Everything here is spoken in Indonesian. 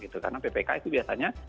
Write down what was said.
karena ppk itu biasanya